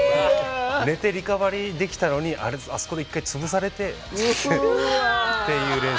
寝てリカバリーできたのにあそこで一回潰されてっていう練習です。